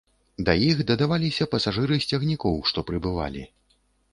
Да іх дадаваліся пасажыры з цягнікоў, што прыбывалі.